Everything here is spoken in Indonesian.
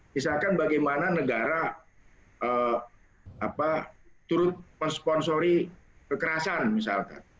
misalkan bagaimana negara turut mensponsori kekerasan misalkan